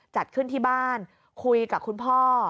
จัดขึ้นที่บ้านคุยกับคุณพ่อ